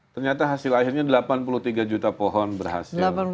ternyata hasil akhirnya delapan puluh tiga juta pohon berhasil